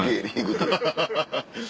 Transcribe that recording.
ハハハハハ。